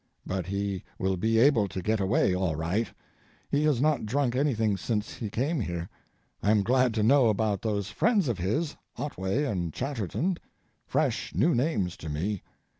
But he will be able to get away all right—he has not drunk anything since he came here. I am glad to know about those friends of his, Otway and Chatterton—fresh, new names to me.